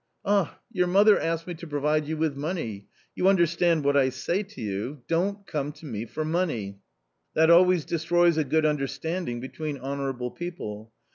Ah ! your mother asked me to provide you with money You understand what I say to you ; don't come to me for money ; that always destroys a good understanding between honourable people.